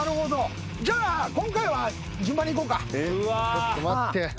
ちょっと待って。